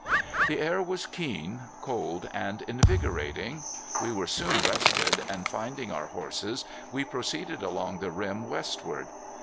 The air was keen, cold, and invigorating. We were soon rested, and finding our horses we proceeded along the rim westward.